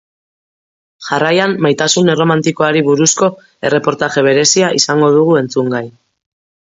Jarraian, maitasun erromantikoari buruzko erreportaje berezia izango dugu entzungai.